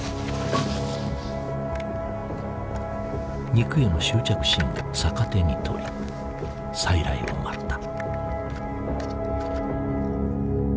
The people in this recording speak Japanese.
肉への執着心を逆手に取り再来を待った。